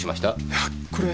いやこれ。